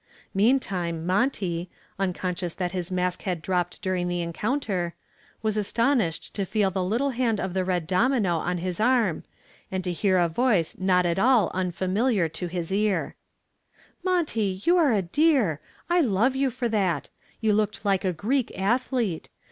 Meanwhile Monty, unconscious that his mask had dropped during the encounter, was astonished to feel the little hand of the red domino on his arm and to hear a voice not at all unfamiliar in his ear: "Monty, you are a dear. I love you for that. You looked like a Greek athlete.